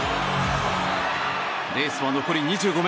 レースは残り２５ｍ。